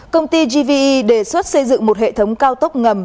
công ty gvi đề xuất xây dựng một hệ thống cao tốc ngầm